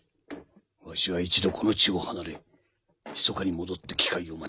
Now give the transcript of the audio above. わしは一度この地を離れひそかに戻って機会を待つ。